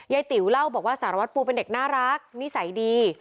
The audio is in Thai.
ติ๋วเล่าบอกว่าสารวัตรปูเป็นเด็กน่ารักนิสัยดี